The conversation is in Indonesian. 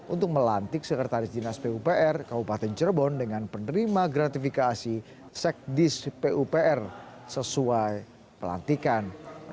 untuk melantik sekretaris dinas pupr kabupaten cirebon dengan penerima gratifikasi sekdis pupr sesuai pelantikan